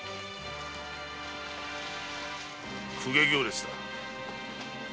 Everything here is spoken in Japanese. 公卿行列だ。